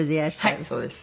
はいそうです。